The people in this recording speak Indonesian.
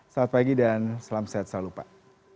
selamat pagi dan selamat sehat selalu pak